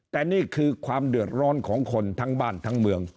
แต่นี่คือความเดือดร้อนของคนทั้งบ้านทั้งเมือง